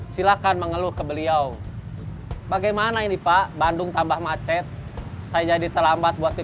silakan mengeluh ke beliau bagaimana ini pak bandung tambah macet saya jadi terlambat buat di